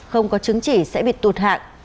không có chứng chỉ sẽ bị tụt hạng